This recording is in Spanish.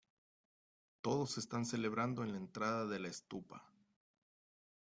Todos están celebrando en la entrada de la estupa.